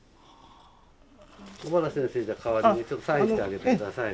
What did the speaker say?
小原先生じゃあ代わりにちょっとサインしてあげてください。